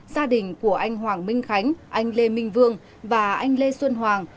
gia đình của anh hoàng minh khánh anh lê minh vương và anh lê xuân hoàng